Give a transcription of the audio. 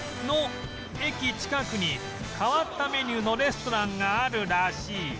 の駅近くに変わったメニューのレストランがあるらしい